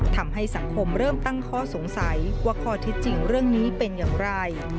ทำให้สังคมเริ่มตั้งข้อสงสัยว่าข้อเท็จจริงเรื่องนี้เป็นอย่างไร